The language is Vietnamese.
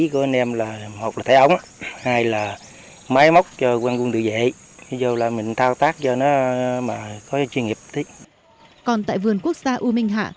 còn tại vườn quốc gia u minh hạ